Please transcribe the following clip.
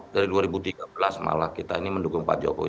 dari dua ribu tiga belas malah kita ini mendukung pak jokowi